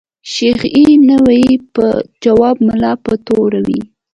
شيخ ئې نه ويني په خواب ملا په توري